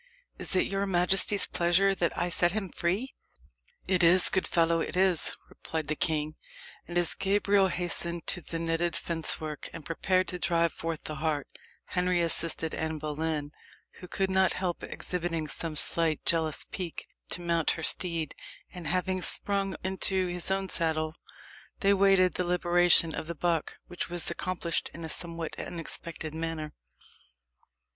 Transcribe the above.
"Is it your majesty's pleasure that I set him free? "It is, good fellow it is," replied the king. And as Gabriel hastened to the netted fencework, and prepared to drive forth the hart, Henry assisted Anne Boleyn, who could not help exhibiting some slight jealous pique, to mount her steed, and having sprung into his own saddle, they waited the liberation of the buck, which was accomplished in a somewhat unexpected manner.